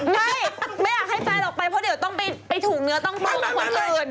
ใช่ไม่อยากให้แฟนออกไปเพราะเดี๋ยวต้องไปถูกเนื้อต้องตัวกับคนอื่น